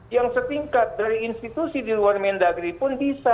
yang setingkat dari institusi di luar mendagri pun bisa